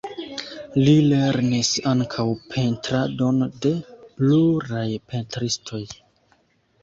Li lernis ankaŭ pentradon de pluraj pentristoj.